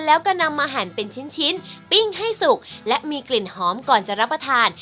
แล้วก็นำมาหั่นเป็นชิ้นปิ้งให้สุกและมีกลิ่นหอมก่อนจะรับประทาน